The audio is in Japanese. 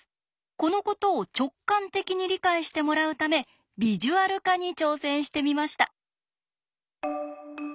このことを直感的に理解してもらうためビジュアル化に挑戦してみました。